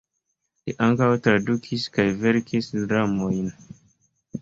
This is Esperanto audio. Li ankaŭ tradukis kaj verkis dramojn.